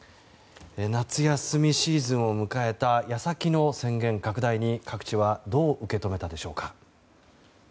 夏休みシーズンを迎えた矢先の宣言拡大に各地はどう受け止めたでしょうか。